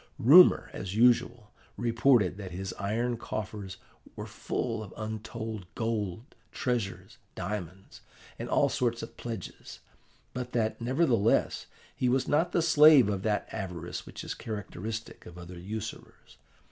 Rumour, as usual, reported that his iron coffers were full of untold gold, treasures, diamonds, and all sorts of pledges, but that, nevertheless, he was not the slave of that avarice which is characteristic of other usurers.